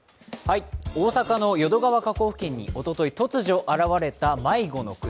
大阪の淀川河口付近におととい突如訪れた迷子の鯨。